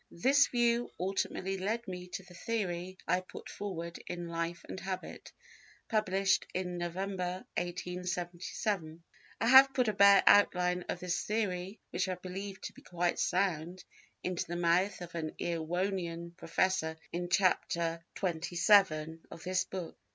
This view ultimately led me to the theory I put forward in Life and Habit, published in November, 1877. I have put a bare outline of this theory (which I believe to be quite sound) into the mouth of an Erewhonian professor in Chapter XXVII of this book."